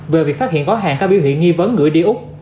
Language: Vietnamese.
về việc phát hiện gói hàng có biểu hiện nghi vấn gửi đi úc